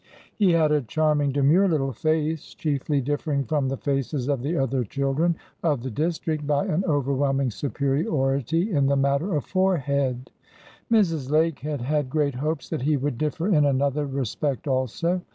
He had a charming demure little face, chiefly differing from the faces of the other children of the district by an overwhelming superiority in the matter of forehead. Mrs. Lake had had great hopes that he would differ in another respect also.